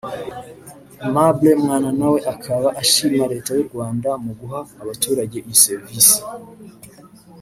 Aimable Mwananawe akaba ashima Leta y’u Rwanda mu guha abaturage iyi serivisi